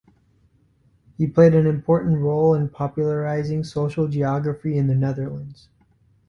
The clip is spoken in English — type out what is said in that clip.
He played an important role in popularising social geography in the Netherlands.